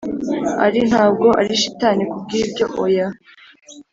ariko ntabwo ari shitani kubwibyo, oya